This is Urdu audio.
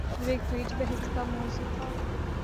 جب ایک ٹویٹ بحث کا مو ضوع تھا۔